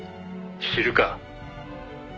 「知るか」